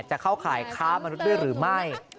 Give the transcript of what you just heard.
จะเข้าข่ายค้ามนุษย์ด้วยหรือไม่